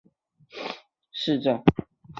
博费特是巴西圣保罗州的一个市镇。